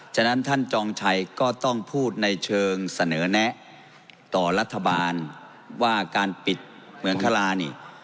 ฉะนั้นท่านจองชัยก็ต้องพูดในเชิงเสนอแนะต่อรัฐบาลว่าการปิดเมืองคลานี่